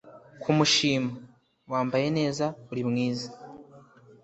kumushima (wambaye neza, uri mwiza…)